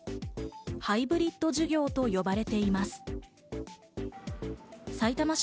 ハイブリッド授業と呼ばれています。